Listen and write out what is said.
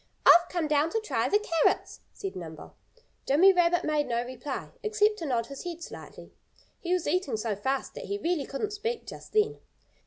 "I've come down to try the carrots," said Nimble. Jimmy Rabbit made no reply, except to nod his head slightly. He was eating so fast that he really couldn't speak just then.